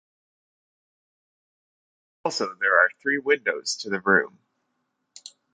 Also there are three windows to the room.